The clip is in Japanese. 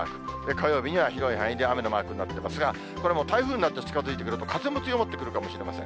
火曜日には広い範囲で雨のマークになっていますが、これもう台風になって近づいてくると、風も強まってくるかもしれません。